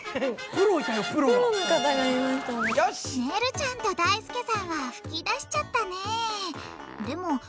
ねるちゃんとだいすけさんは噴き出しちゃったね。